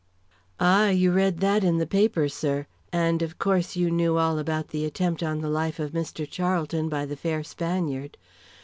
"Ah! you read that in the paper, sir. And, of course, you knew all about the attempt on the life of Mr. Charlton by the fair Spaniard.